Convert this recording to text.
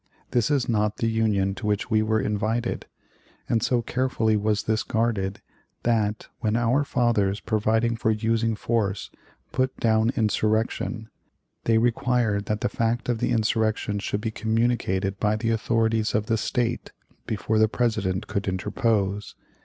This is not the Union to which we were invited; and so carefully was this guarded that, when our fathers provided for using force to put down insurrection, they required that the fact of the insurrection should be communicated by the authorities of the State before the President could interpose.